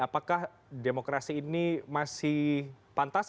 apakah demokrasi ini masih pantas